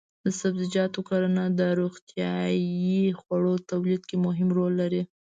د سبزیجاتو کرنه د روغتیايي خوړو تولید کې مهم رول لري.